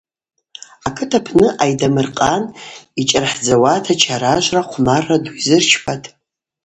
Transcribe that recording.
Акыт апны Айдамыр-къан йчӏархӏдзауата чаражвра, хъвмарра ду йзырчпатӏ.